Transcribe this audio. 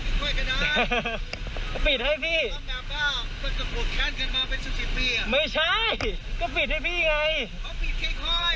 มันต้องเป็นคนที่โลกคำแบบนี้เขาเรียกว่าเจตนาดีแต่ว่าความค่อย